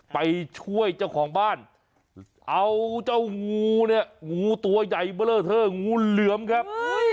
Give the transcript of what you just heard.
ไปช่วยเจ้าของบ้านเอาเจ้างูเนี่ยงูตัวใหญ่เบอร์เลอร์เทอร์งูเหลือมครับ